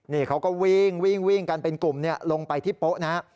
นี่เขาก็วิ่งวิ่งกันเป็นกลุ่มลงไปที่โป๊ะนะฮะ